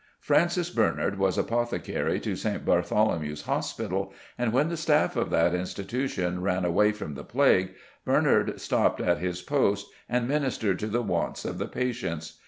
=Francis Bernard= was apothecary to St. Bartholomew's Hospital, and when the staff of that institution ran away from the plague, Bernard stopped at his post and ministered to the wants of the patients.